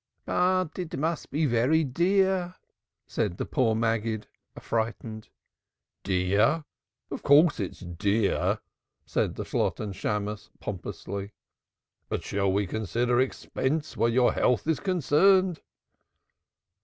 "But it must be very dear," said the poor Maggid, affrighted. "Dear? Of course it's dear," said the Shalotten Shammos pompously. "But shall we consider expense where your health is concerned?"